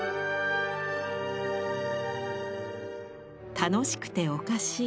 楽しくておかしい